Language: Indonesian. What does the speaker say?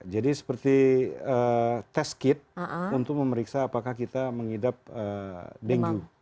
jadi seperti tes kit untuk memeriksa apakah kita mengidap dengu